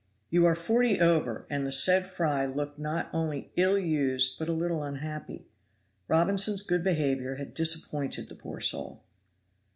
"You are forty over," and the said Fry looked not only ill used but a little unhappy. Robinson's good behavior had disappointed the poor soul.